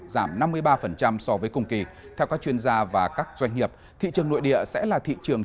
giảm năm mươi ba so với cùng kỳ theo các chuyên gia và các doanh nghiệp thị trường nội địa sẽ là thị trường